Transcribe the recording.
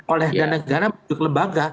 oleh dan negara dan lembaga